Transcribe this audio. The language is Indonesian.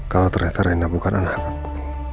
kalo ternyata rina bukan anak aku